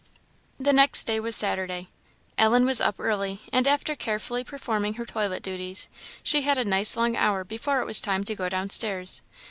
The next day was Saturday. Ellen was up early; and after carefully performing her toilet duties, she had a nice long hour before it was time to go down stairs.